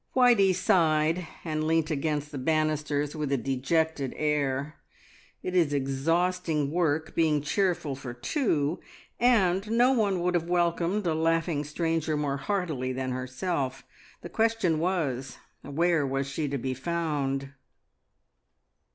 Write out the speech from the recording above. Whitey sighed, and leant against the banisters with a dejected air. It is exhausting work being cheerful for two, and no one would have welcomed a laughing stranger more heartily than herself. The question was, where was she to be found?